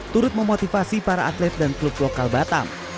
turut memotivasi para atlet dan klub lokal batam